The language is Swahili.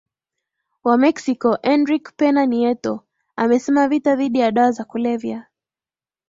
wa Mexico Enrique Pena Nieto amesema vita dhidi ya dawa za kulevya